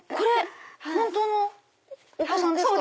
本当のお子さんですか？